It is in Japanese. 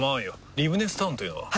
リブネスタウンというのは？